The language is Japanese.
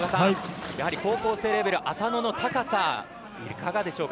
やはり高校生レベル、麻野の高さいかがでしょうか。